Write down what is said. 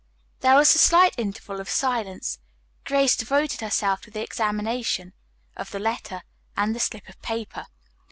There was a slight interval of silence. Grace devoted herself to the examination of the letter and the slip of paper.